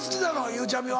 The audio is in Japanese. ゆうちゃみは。